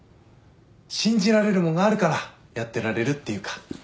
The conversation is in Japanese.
信じられるもんがあるからやってられるっていうか。